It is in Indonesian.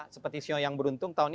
seperti sio yang beruntung tahun ini